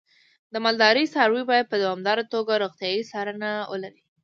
د مالدارۍ څاروی باید په دوامداره توګه روغتیايي څارنه ولري.